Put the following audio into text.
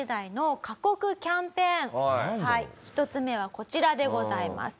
１つ目はこちらでございます。